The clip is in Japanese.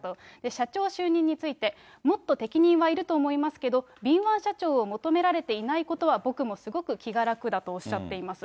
社長就任について、もっと適任はいると思いますけど、敏腕社長を求められていないことは僕もすごく気が楽だとおっしゃっています。